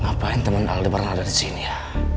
ngapain temen aldebaran ada di sini ya